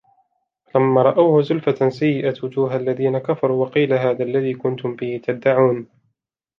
فَلَمَّا رَأَوْهُ زُلْفَةً سِيئَتْ وُجُوهُ الَّذِينَ كَفَرُوا وَقِيلَ هَذَا الَّذِي كُنْتُمْ بِهِ تَدَّعُونَ